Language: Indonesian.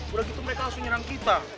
udah gitu mereka langsung nyerang kita